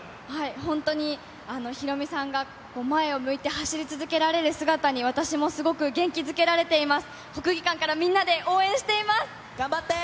本当にヒロミさんが前を向いて走り続けられる姿に私もすごく元気づけられています。